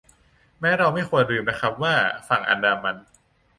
แม้เราไม่ควรลืมนะครับว่าฝั่งอันดามัน